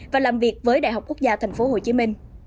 và làm việc với đại học quốc gia tp hcm